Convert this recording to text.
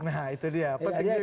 nah itu dia apa tinggi gak